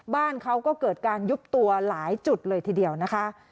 บ้านเขาก็เกิดการยุบตัวหลายจุดเลยทีเดียวนะคะ